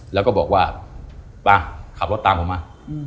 แล้วก็บอกว่าป่ะขับรถตามผมมา